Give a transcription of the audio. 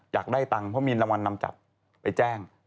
อยากได้ตังค์เพราะมีรางวัลนำจับไปแจ้ง